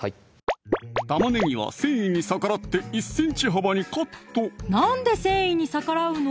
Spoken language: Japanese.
玉ねぎは繊維に逆らって１ｃｍ幅にカットなんで繊維に逆らうの？